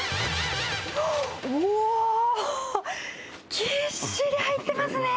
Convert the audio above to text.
おーっ、ぎっしり入ってますね。